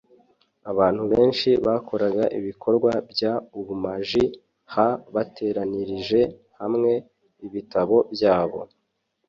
abantu benshi bakoraga ibikorwa by ubumaji h bateranyirije hamwe ibitabo byabo